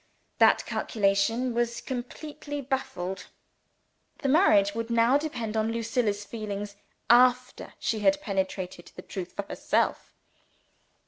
That calculation was completely baffled. The marriage would now depend on the state of Lucilla's feelings, after she had penetrated the truth for herself.